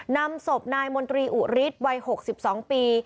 นำศพนายมนตรีอุฤษวัยหกสิบสองปี